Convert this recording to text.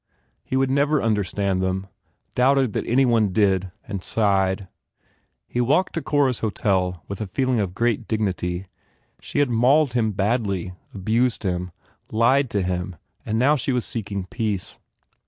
He would never understand them, doubted that anyone did and sighed. He walked to Cora s hotel with a feeling of great dignity. She had mauled him badly, abused him, lied to him and now she was seeking peace.